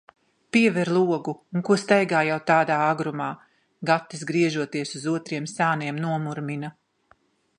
"Piever logu un ko staigā jau tādā agrumā?" Gatis, griežoties uz otriem sāniem, nomurmina.